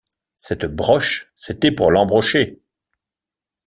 Cette broche, c’était pour l’embrocher!